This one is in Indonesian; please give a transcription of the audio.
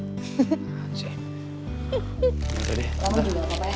gak usah deh